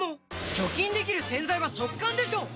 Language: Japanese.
除菌できる洗剤は速乾でしょ！